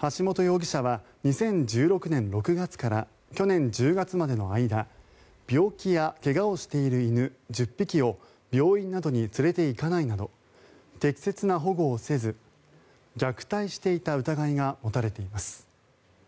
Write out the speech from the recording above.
橋本容疑者は２０１６年６月から去年１０月までの間病気や怪我をしている犬１０匹を病院などに連れて行かないなど適切な保護をせず虐待していた疑いが持たれています。